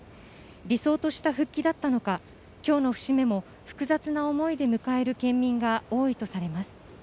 理想とした復帰だったのか今日の節目も複雑な思いで迎える県民が多いとされます。